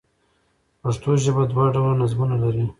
پښتو ژبه دوه ډوله نظمونه لري.